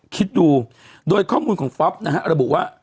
คิดดูโดยข้อมูลของฟอล์นะฮะระบุว่า